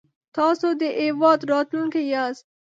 تاسو د هېواد راتلونکی ياست